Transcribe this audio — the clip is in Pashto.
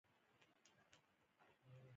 د توت په ونه انجیر پیوند کیږي؟